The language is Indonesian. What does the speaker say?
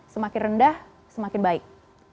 semakin rendah semakin baik